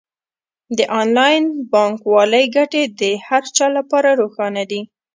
د انلاین بانکوالۍ ګټې د هر چا لپاره روښانه دي.